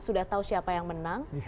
sudah tahu siapa yang menang